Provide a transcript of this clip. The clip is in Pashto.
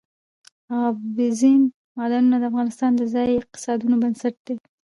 اوبزین معدنونه د افغانستان د ځایي اقتصادونو بنسټ دی.